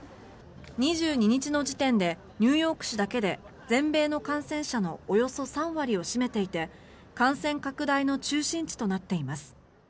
２２日の時点でニューヨーク市だけで全米の感染者のおよそ３割を占めていて感染拡大の中心地となっています。